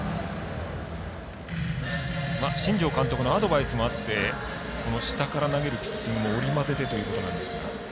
新庄監督のアドバイスもあって下から投げるピッチングも織り交ぜてということなんですが。